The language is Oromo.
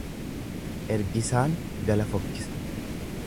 Ergisaan gala fokkisa.